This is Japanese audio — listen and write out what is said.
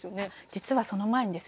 実はその前にですね